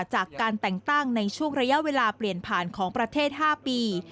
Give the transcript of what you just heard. จากการแต่งตั้งในช่วงระยะเวลาเปลี่ยนผ่านของประเทศ๕ปี